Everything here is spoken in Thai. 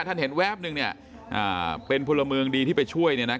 ท่านเห็นแวบหนึ่งเนี้ยอ่าเป็นผู้ละเมืองดีที่ไปช่วยเนี้ยนะ